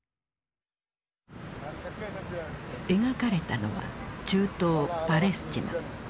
描かれたのは中東パレスチナ。